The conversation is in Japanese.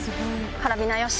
カラビナよし！